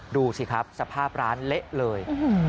ดูสิครับสภาพร้านเละเลย